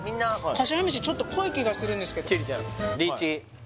かしわめしちょっと濃い気がするんですけど千里ちゃん